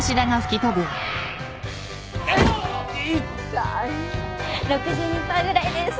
いったい。６２％ぐらいです。